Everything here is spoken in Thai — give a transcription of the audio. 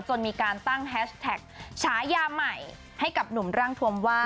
จนมีการตั้งแฮชแท็กฉายาใหม่ให้กับหนุ่มร่างทวมว่า